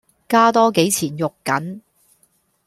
加多幾錢肉緊